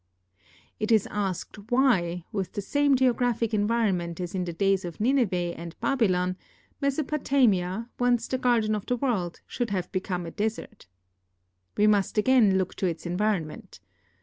It is asked why, with the same geographic environment as in the days of Nineveh and Babylon, Mesopotamia, once the garden of the world, should have become a desert. We must again look to its environment.